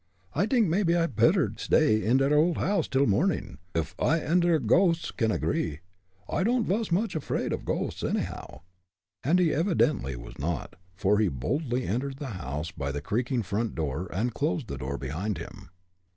"I dink maybe I petter sday in der old house till morning, uff I und der ghosts can agree. I don'd vas much affraid off ghosts, anyhow." And he evidently was not, for he boldly entered the house by the creaking front door and closed the door behind him.